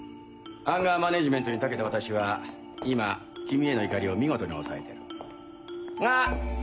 アンガーマネジメントに長けた私は今君への怒りを見事に抑えてる。